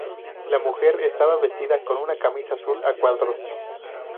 La mujer estaba vestida con una camisa azul a cuadros.